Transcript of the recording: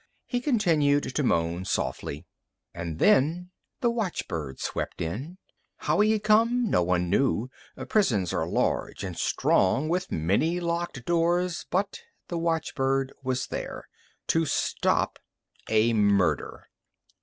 He continued to moan softly. And then the watchbird swept in. How he had come, no one knew. Prisons are large and strong, with many locked doors, but the watchbird was there To stop a murder.